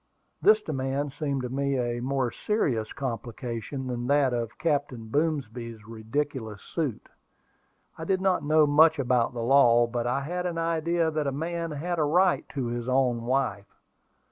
This demand seemed to me a more serious complication than that of Captain Boomsby's ridiculous suit. I did not know much about law, but I had an idea that a man had a right to his own wife.